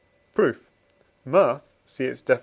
Proof. Mirth (see its Def.